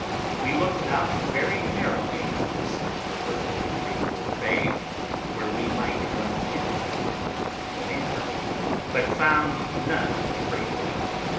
We looked out very narrowly for some river or creek or bay, where we might run in, and come to an anchor, but found none a great while.